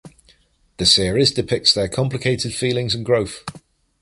The series depicts their complicated feelings and growth.